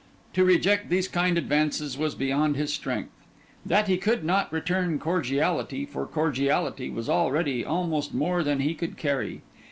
To reject these kind advances was beyond his strength. That he could not return cordiality for cordiality, was already almost more than he could carry.